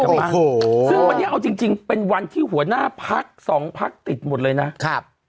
ซึ่งวันนี้เอาจริงจริงเป็นวันที่หัวหน้าพักสองพักติดหมดเลยนะครับ